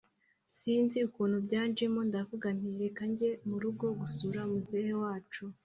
sinzi ukuntu byanjemo ndavuga nti reka njye murugo gusura muzehe wacu